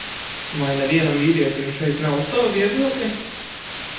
Vai nevienam vīrietim šeit nav sava viedokļa?